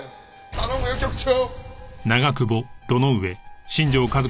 頼むよ局長！